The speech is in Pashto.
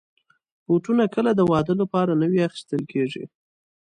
بوټونه کله د واده لپاره نوي اخیستل کېږي.